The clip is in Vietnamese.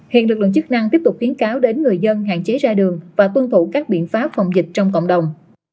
hiện lực lượng chức năng tiếp tục khuyến cáo đến người dân hạn chế ra đường và tuân thủ các biện pháp phòng dịch trong cộng đồng